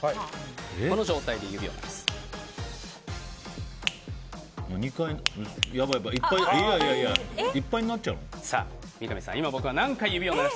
この状態で指を鳴らす。